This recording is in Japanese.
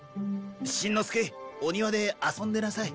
しんのすけお庭で遊んでなさい。